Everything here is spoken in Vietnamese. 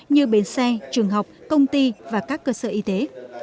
như bến xe trường học công ty và các cơ sở y tế